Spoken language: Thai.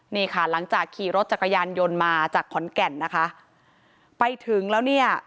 นี่ค่ะหลังจากขี่รถจักรยานยนต์มาจากขอนแก่นนะคะไปถึงแล้วเนี่ย